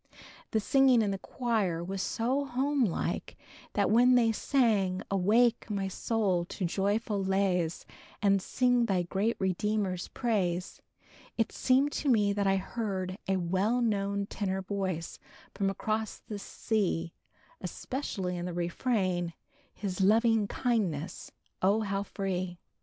The singing in the choir was so homelike, that when they sang "Awake my soul to joyful lays and sing thy great Redeemer's praise," it seemed to me that I heard a well known tenor voice from across the sea, especially in the refrain "His loving kindness, oh how free."